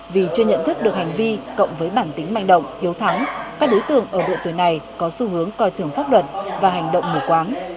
vì chưa nhận thức được hành vi cộng với bản tính manh động hiếu thắng các đối tượng ở độ tuổi này có xu hướng coi thường pháp luật và hành động mù quáng